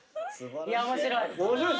いや面白い。